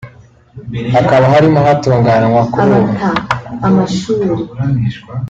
hakaba harimo hatunganywa kuri ubu